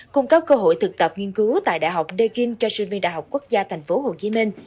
cung cấp cơ hội thực tập nghiên cứu tại đại học daeging cho sinh viên đại học quốc gia tp hcm